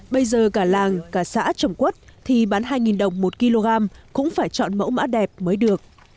bây giờ cả làng cả xã trồng quất thì bán hai đồng một kg cũng phải chọn mẫu mã đẹp mới được